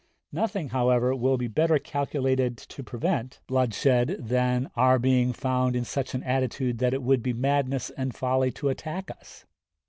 Nothing, however, will be better calculated to prevent bloodshed than our being found in such an attitude that it would be madness and folly to attack us....